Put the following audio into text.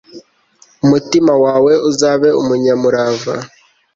umutima wawe uzabe umunyamurava